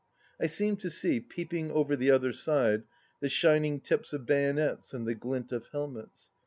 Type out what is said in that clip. I seemed to see, peeping over the other side, the shining tips of bayonets and the glint of helmets.